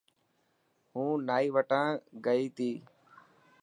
هون نائي وٽا گي تو.